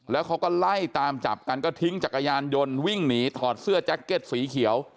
แล้วเขาก็ไล่ตามจับกันก็ทิ้งจักรยานยนต์วิ่งหนีถอดเสื้อแจ็คเก็ตสีเขียว